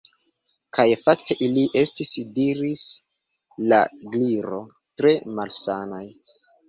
"Kaj fakte ili estis " diris la Gliro "tre malsanaj."